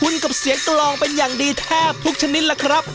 คุณกับเสียงกลองเป็นอย่างดีแทบทุกชนิดล่ะครับ